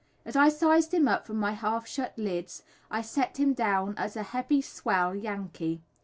As I sized him up from my half shut lids I set him down as a "heavy swell" Yankee.